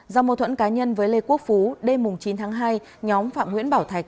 do mâu thuẫn cá nhân với lê quốc phú đêm chín tháng hai nhóm phạm nguyễn bảo thạch